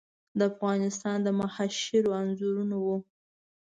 د افغانستان د مشاهیرو انځورونه وو.